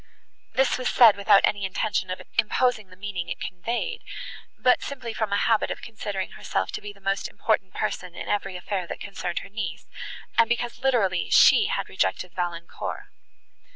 This was said without any intention of imposing the meaning it conveyed, but simply from a habit of considering herself to be the most important person in every affair that concerned her niece, and because literally she had rejected Valancourt.